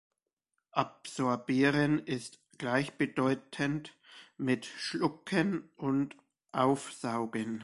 Absorbieren ist gleichbedeutend mit „Schlucken“ und „Aufsaugen“.